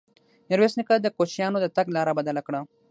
ميرويس نيکه د کوچيانو د تګ لاره بدله کړه.